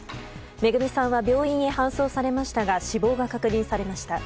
めぐみさんは病院に搬送されましたが死亡が確認されました。